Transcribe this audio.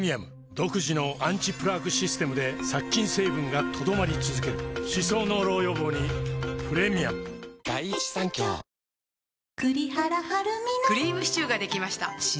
独自のアンチプラークシステムで殺菌成分が留まり続ける歯槽膿漏予防にプレミアムそれは２４時間３６５日